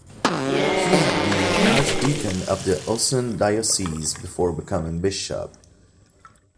He had been Archdeacon of the Osun Diocese before becoming bishop.